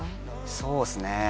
そうですね。